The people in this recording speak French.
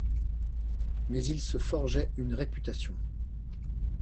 Mais il se forgeait une réputation.